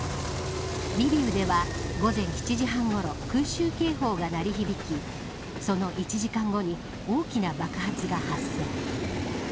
リビウでは、午前７時半ごろ空襲警報が鳴り響きその１時間後に大きな爆発が発生。